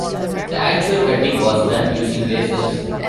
The actual cutting was done using lasers.